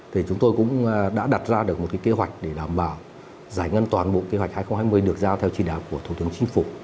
thì chúng tôi cũng đã đặt ra được một kế hoạch để đảm bảo giải ngân toàn bộ kế hoạch hai nghìn hai mươi được giao theo chỉ đạo của thủ tướng chính phủ